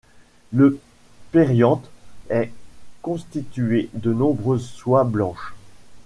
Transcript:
Le périanthe est constitué de nombreuses soies blanches.